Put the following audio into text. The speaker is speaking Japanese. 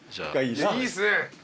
いいっすね。